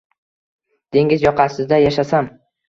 Dengiz yoqasida yashasam